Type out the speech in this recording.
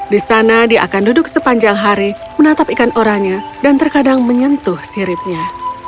di sana dia akan duduk sepanjang hari menatap ikan oranya dan terkadang menyentuh siripnya